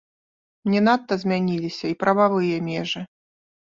Не надта змяніліся і прававыя межы.